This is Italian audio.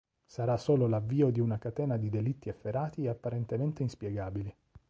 Sarà solo l'avvio di una catena di delitti efferati e apparentemente inspiegabili.